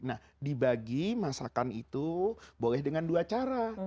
nah dibagi masakan itu boleh dengan dua cara